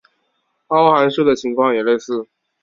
凹函数的情况也类似。